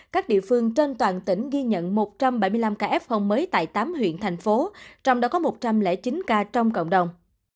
các địa phương trên toàn tỉnh ghi nhận một trăm bảy mươi năm ca f phòng mới tại tám huyện thành phố trong đó có một trăm linh chín ca trong cộng đồng